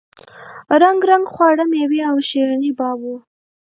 رنګ رنګ خواړه میوې او شیریني باب وو.